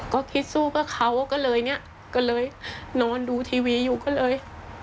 ก็คิดสู้เพื่อเขาก็เลยเนี่ยก็เลยนอนดูทีวีอยู่ก็เลย